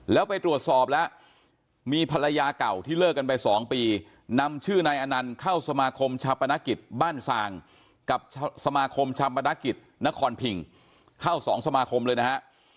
แล้วไปตรวจสอบแล้วมีภรรยาเก่าที่เลิกกันไป๒ปีนำชื่อนายอนันต์เข้าสมาคมชาปนกิจบ้านสางกับสมาคมชาปนกิจนครพิงเข้าสองสมาคมเลยนะฮะ